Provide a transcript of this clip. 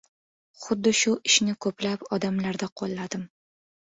Xuddi shu ishni koʻplab odamlarda qoʻlladim.